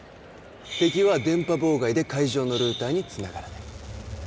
敵は電波障害で会場のルーターにつながらない